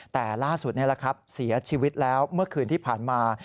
แต่ล่าสุดนี่แหละครับเสียชีวิตแล้วเมื่อคืนที่ผ่านมา